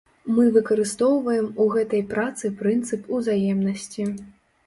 Мы выкарыстоўваем у гэтай працы прынцып узаемнасці.